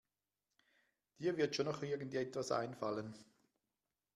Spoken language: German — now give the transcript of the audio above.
Dir wird schon noch irgendetwas einfallen.